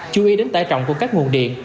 chú ý đến tải trọng của các nguồn điện